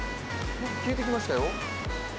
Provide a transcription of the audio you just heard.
消えていきましたよ。